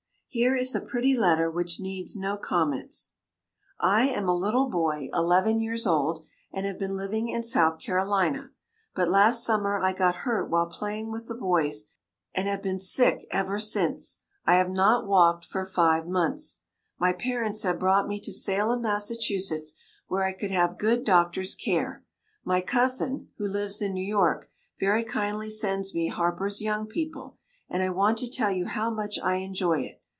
Here is a pretty letter which needs no comments: I am a little boy eleven years old, and have been living in South Carolina, but last summer I got hurt while playing with the boys, and have been sick ever since. I have not walked for five months. My parents have brought me to Salem, Massachusetts, where I could have good doctor's care. My cousin, who lives in New York, very kindly sends me Harper's Young People, and I want to tell you how much I enjoy it.